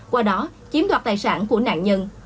qua đó chiếm đoạt tài sản của nạn nhân